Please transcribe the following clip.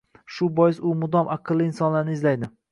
Shu bois u mudom aqlli insonlarni izlaydi